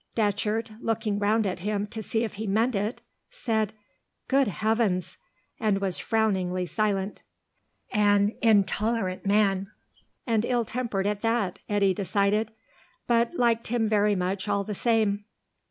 Datcherd, looking round at him to see if he meant it, said, "Good heavens!" and was frowningly silent. An intolerant man, and ill tempered at that, Eddy decided, but liked him very much all the same.